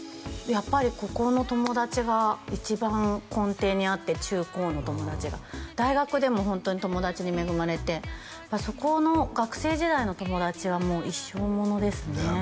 やっぱりここの友達が一番根底にあって中高の友達が大学でもホントに友達に恵まれてそこの学生時代の友達は一生ものですね